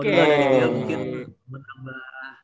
kalo udah ada dbl mungkin menambah